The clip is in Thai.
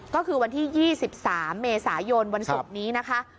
ก็คือวันที่๒๓เมษายนวันศุกร์นี้นะคะ